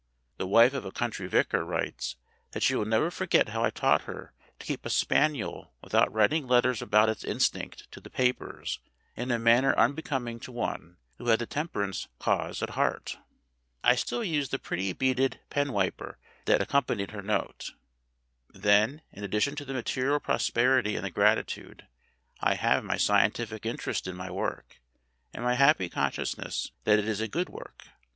The wife of a country vicar writes that she will never forget how I taught her to keep a spaniel without writing letters about its instinct to the papers in a manner unbecoming to one who had the temper ance cause at heart. I still use the pretty beaded pen wiper that accompanied her note. Then, in addition to the material prosperity and the gratitude, I have my scientific interest in my work and my happy con sciousness that it is a good work.